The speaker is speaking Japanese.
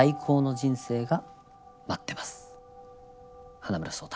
花村想太」。